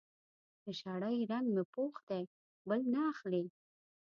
د شړۍ رنګ مې پوخ دی؛ بل نه اخلي.